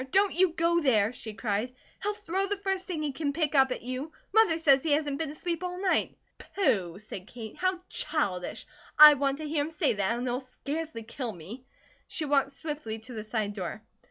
Don't you go there," she cried. "He'll throw the first thing he can pick up at you. Mother says he hasn't been asleep all night." "Pooh!" said Kate. "How childish! I want to hear him say that, and he'll scarcely kill me." She walked swiftly to the side door.